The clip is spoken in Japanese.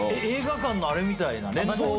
映画館のあれみたいな。